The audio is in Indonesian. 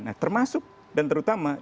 nah termasuk dan terutama